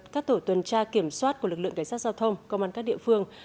các tổ tuần tra kiểm soát của lực lượng cảnh sát giao thông công an các địa phương